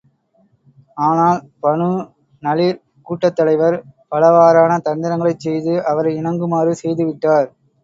ஆனால் Banu Nadir கூட்டத் தலைவர், பலவாறான தந்திரங்களைச் செய்து, அவரை இணங்குமாறு செய்து விட்டார்.